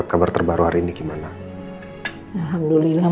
tolong jaga dan lindungi mereka ya allah